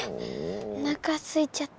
おなかすいちゃった。